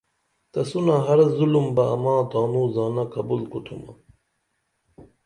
تسونہ ہرظُلُم بہ اماں تانوں زانہ قبول کُوتُھمہ